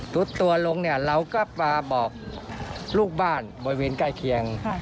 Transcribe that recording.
สุดตัวลงเนี่ยเราก็มาบอกลูกบ้านบริเวณใกล้เคียง